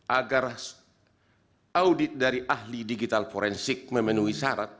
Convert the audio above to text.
agar audit dari ahli digital forensik memenuhi syarat